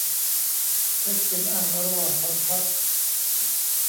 เธอเขียนอ่านระหว่างบรรทัด !